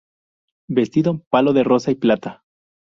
Vestido: Palo de rosa y plata.